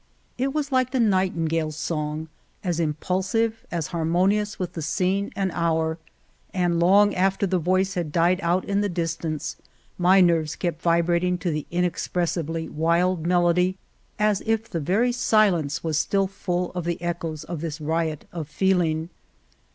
It was like the nightingale's song, as impulsive, as harmonious with the scene and hour, and long after the voice had died out in the distance my nerves kept vi brating to the inexpressibly wild melody as if the very silence was still full of the echoes of this riot of feeling.